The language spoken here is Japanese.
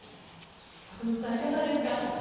徳光さん、いかがですか。